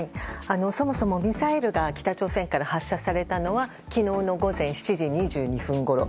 そもそもミサイルが北朝鮮から発射されたのは昨日の午前７時２２分ごろ。